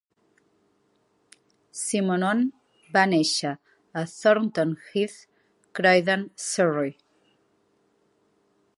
Simonon va néixer a Thornton Heath, Croydon, Surrey.